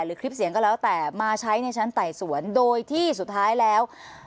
คลิปเสียงก็แล้วแต่มาใช้ในชั้นไต่สวนโดยที่สุดท้ายแล้ว